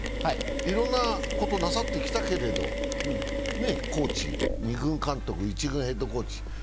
いろんなことなさってきたけれど、コーチ、２軍監督、１軍ヘッドコーチ。